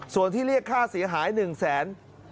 ส่วนที่เรียกค่าเสียหาย๑แสน